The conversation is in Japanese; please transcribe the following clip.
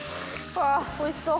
わおいしそう！